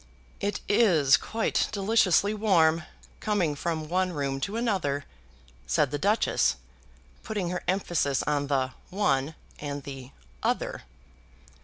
"It is quite deliciously warm, coming from one room to another," said the Duchess, putting her emphasis on the "one" and the "other."